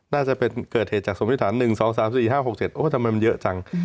น่าจะเกิดเหตุจากสมพิษฐาน๑๒๓๔๕๖๗โอ้ทำไมมันเยอะจัง